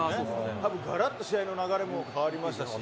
たぶん、がらっと試合の流れも変わりましたし。